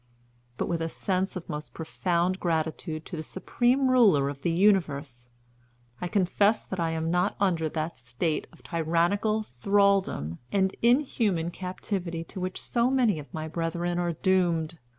But, with a sense of most profound gratitude to the Supreme Ruler of the universe, I confess that I am not under that state of tyrannical thraldom and inhuman captivity to which so many of my brethren are doomed.